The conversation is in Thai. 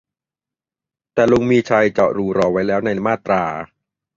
แต่ลุง มีชัย เจาะรูรอไว้แล้วในมาตรา